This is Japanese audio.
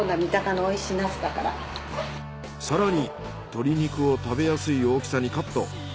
更に鶏肉を食べやすい大きさにカット。